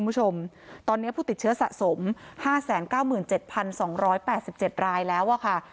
คุณผู้ชมตอนนี้ผู้ติดเชื้อสะสม๕๙๗๒๘๗รายแล้วอะค่ะ